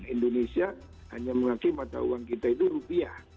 indonesia hanya mengakui mata uang kita itu rupiah